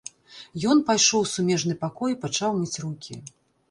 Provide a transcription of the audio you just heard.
Ён пайшоў у сумежны пакой і пачаў мыць рукі.